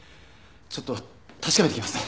ちょっと確かめてきます。